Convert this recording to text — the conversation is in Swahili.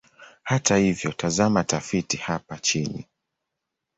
Hata hivyo, tazama tafiti hapa chini.